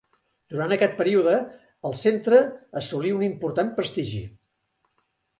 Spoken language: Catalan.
Durant aquest període el centre assolí un important prestigi.